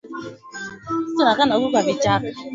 Hii imesaidia kuweka umoja kwenye nchi yenye makabila